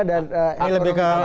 dan orang orang yang